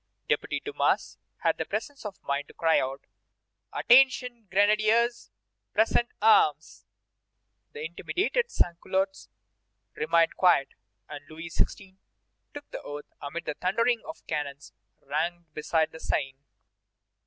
Deputy Dumas had the presence of mind to cry out: "Attention, Grenadiers! present arms!" The intimidated sans culottes remained quiet, and Louis XVI. took the oath amid the thundering of the cannon ranged beside the Seine.